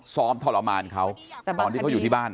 ทรมานเขาตอนที่เขาอยู่ที่บ้าน